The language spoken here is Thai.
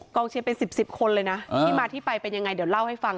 กองเชียร์เป็น๑๐คนเลยนะที่มาที่ไปเป็นยังไงเดี๋ยวเล่าให้ฟัง